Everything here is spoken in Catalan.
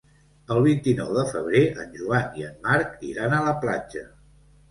El vint-i-nou de febrer en Joan i en Marc iran a la platja.